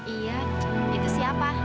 iya itu siapa